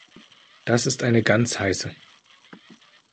Das ist eine ganz heiße!